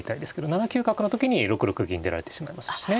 ７九角の時に６六銀出られてしまいますしね。